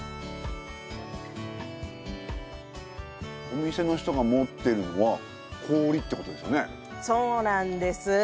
お店の人が持ってるのは氷ってことですよね？